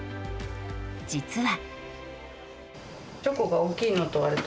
実は。